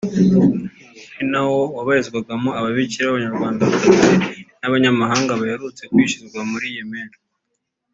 ari nawo wabarizwagamo Ababikira b’Abanyarwandakazi n’abanyamahanga baherutse kwicirwa muri Yemen